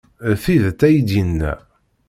D tidet ay d-yenna.